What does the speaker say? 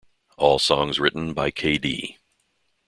All songs written by k.d.